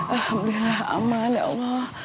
alhamdulillah aman ya allah